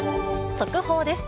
速報です。